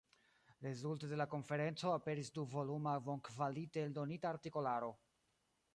Rezulte de la konferenco aperis du-voluma bonkvalite eldonita artikolaro.